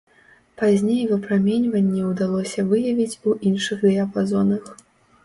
Пазней выпраменьванне ўдалося выявіць у іншых дыяпазонах.